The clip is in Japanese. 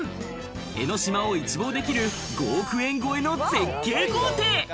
江の島を一望できる５億円超えの絶景豪邸。